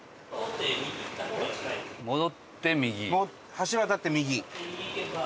橋渡って右？